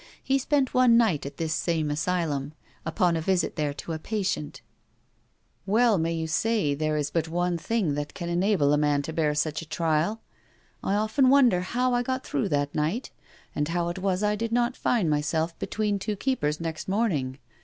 He spent one night at this same asylum, upon a visit there to a 'patient': 'Well may you say there is but one thing that can enable a man to bear such a trial. I often wonder how I got through that night, and how it was I did not find myself between two keepers next morning.